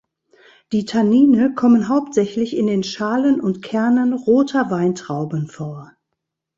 Die Tannine kommen hauptsächlich in den Schalen und Kernen roter Weintrauben vor.